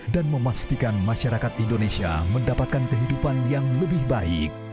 dan memastikan masyarakat indonesia mendapatkan kehidupan yang lebih baik